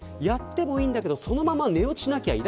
やってもいいんだけどそのまま寝落ちしなきゃいい。